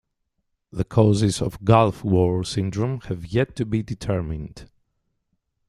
The causes of Gulf War Syndrome have yet to be been determined.